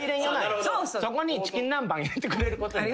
そこにチキン南蛮入れてくれることによって。